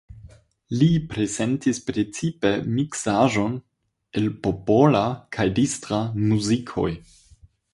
Li prezentis precipe miksaĵon el popola kaj distra muzikoj.